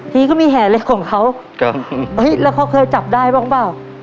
ทีก็มีแหลกของเขาก็มีเอ้ยแล้วเขาเคยจับได้บ้างเปล่า